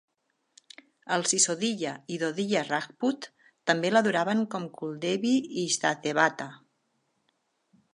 Els Sisodiya i Dodiya Rajput també l'adoraven com Kuldevi i Ishtadevata.